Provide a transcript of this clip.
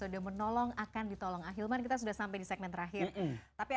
dan diberikan kepada kita